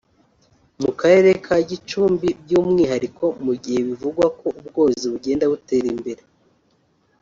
mu Karere ka Gicumbi by’umwihariko mu gihe bivugwa ko ubworozi bugenda butera imbere